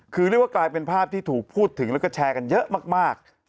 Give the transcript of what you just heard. คือเรียกว่ากลายเป็นภาพที่ถูกพูดถึงแล้วก็แชร์กันเยอะมาก